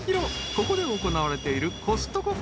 ［ここで行われている］